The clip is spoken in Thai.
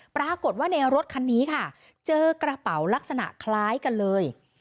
ปรากฏว่าในรถคันนี้ค่ะเจอกระเป๋าลักษณะคล้ายกันเลย